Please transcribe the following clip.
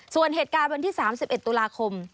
ส่วนเหตุการณ์วันที่๓๑ตุลาคม